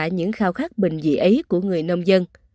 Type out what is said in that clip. những khao khát bình dị ấy của người nông dân